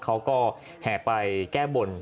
เขาก็แห่ไปแก้บน